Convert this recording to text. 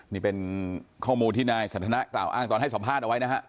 นี่เป็นข้อมูลที่นายสันทนากล่าวอ้างตอนให้สัมภาษณ์เอาไว้นะฮะ